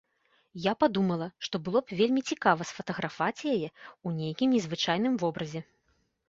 Я падумала, што было б вельмі цікава сфатаграфаваць яе ў нейкім незвычайным вобразе.